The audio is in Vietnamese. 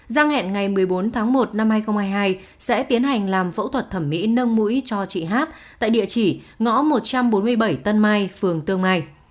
giang hẹn ngày một mươi bốn tháng một năm hai nghìn hai mươi hai sẽ tiến hành làm phẫu thuật thẩm mỹ nâng mũi cho chị hát tại địa chỉ ngõ một trăm bốn mươi bảy tân mai phường tương mai